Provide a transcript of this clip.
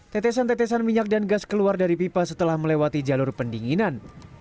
tetesan tetesan minyak dan gas keluar dari pipa setelah melewati jalur pendinginan